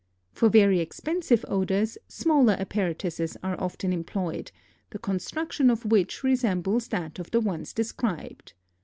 For very expensive odors, smaller apparatuses are often employed, the construction of which resembles that of the ones described.